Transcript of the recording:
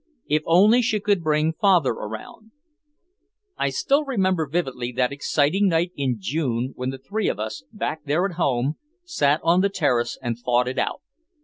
If only she could bring father around. I still remember vividly that exciting night in June when the three of us, back there at home, sat on the terrace and fought it out.